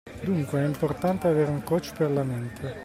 Dunque è importante avere un coach per la mente.